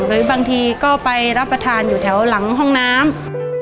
หรือบางทีก็ไปรับประทานอยู่แถวหลังห้องน้ำ